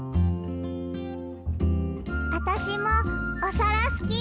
あたしもおさらすき！